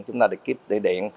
chúng ta được kiếp điện